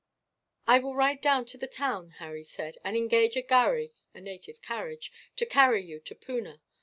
"I will ride down to the town," Harry said, "and engage a gharry [a native carriage] to carry you to Poona.